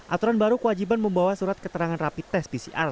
aturan baru kewajiban membawa surat keterangan rapi tes pcr